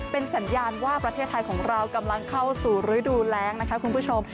เป็นสัญญาณว่าประเทศไทยของเรากำลังเข้าสู่ฤดูแรงนะคะคุณผู้ชม